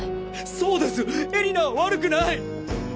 そうです絵里菜は悪くない！！